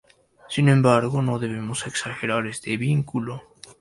Sin embargo no debemos exagerar este vínculo.